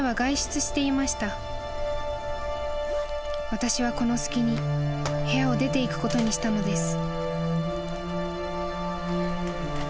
［私はこの隙に部屋を出ていくことにしたのです］